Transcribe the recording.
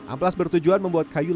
amplas bertujuan membuat kayu